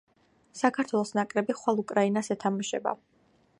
საქართველოს ნაკრები ხვალ უკრაინას ეთამაშება